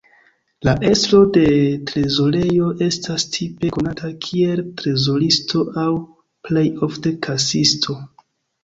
La estro de trezorejo estas tipe konata kiel trezoristo aŭ plej ofte kasisto.